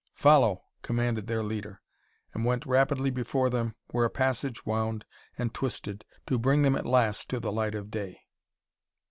"Follow!" commanded their leader and went rapidly before them where a passage wound and twisted to bring them at last to the light of day.